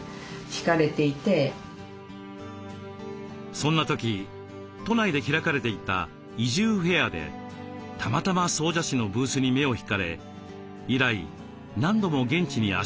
そんな時都内で開かれていた「移住フェア」でたまたま総社市のブースに目を引かれ以来何度も現地に足を運びました。